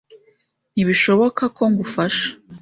Ntibishoboka ko ngufasha.